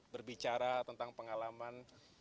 berbicara tentang pengalaman